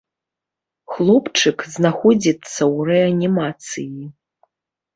Хлопчык знаходзіцца ў рэанімацыі.